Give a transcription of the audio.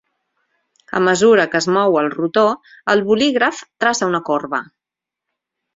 A mesura que es mou el rotor, el bolígraf traça una corba.